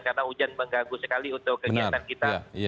karena hujan menggaguh sekali untuk kegiatan kita